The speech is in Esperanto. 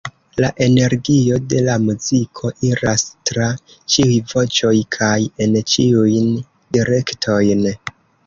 La energio de la muziko iras tra ĉiuj voĉoj kaj en ĉiujn direktojn.